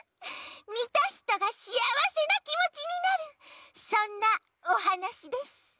みたひとがしあわせなきもちになるそんなおはなしです。